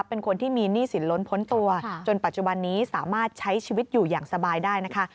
เป็นคนที่มีหนี้สินล้นพ้นตัวจนปัจจุบันนี้สามารถใช้ชีวิตอยู่อย่างสบายได้นะคะ